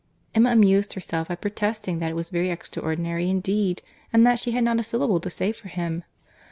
Emma amused herself by protesting that it was very extraordinary, indeed, and that she had not a syllable to say for him.